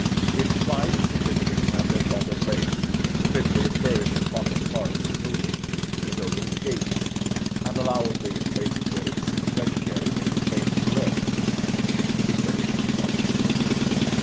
Its pride and significance have their proper place, fitly occurring in prominent parts of the building, as over its gates; and allowably in places where its legendary may be plainly read, as in painted windows, bosses of ceilings, &c.